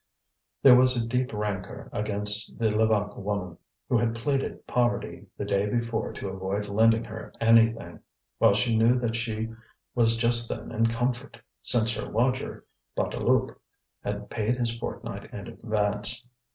There was a deep rancour against the Levaque woman, who had pleaded poverty the day before to avoid lending her anything; while she knew that she was just then in comfort, since her lodger, Bouteloup, had paid his fortnight in advance.